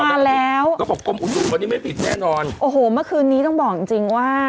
มาแล้ววันนี้ไม่ผิดแน่นอนโอ้โหเมื่อคืนนี้ต้องบอกจริงจริงว่า